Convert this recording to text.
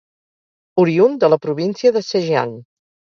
Oriünd de la província de Zhejiang.